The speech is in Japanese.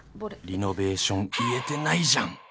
リノベーション言えてないじゃん。